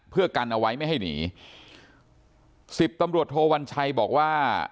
เพื่อกันเอาไว้ไม่ให้หนีสิบตำรวจโทวัญชัยบอกว่า